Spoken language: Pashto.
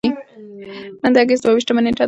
نن د اګست دوه ویشتمه نېټه ده.